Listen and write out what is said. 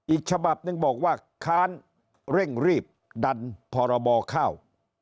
อีกฉบับหนึ่งบอกว่าค้านเร่งรีบดันพรบข้าว